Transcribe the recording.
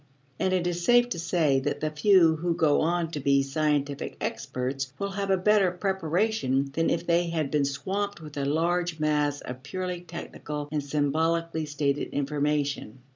And it is safe to say that the few who go on to be scientific experts will have a better preparation than if they had been swamped with a large mass of purely technical and symbolically stated information.